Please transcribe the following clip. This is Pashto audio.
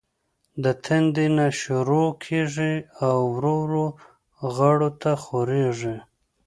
د تندي نه شورو کيږي او ورو ورو غاړو ته خوريږي